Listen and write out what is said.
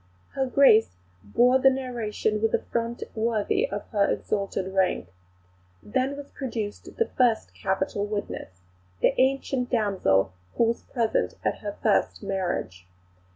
Her Grace bore the narration with a front worthy of her exalted rank. Then was produced the first capital witness, the ancient damsel who was present at her first marriage.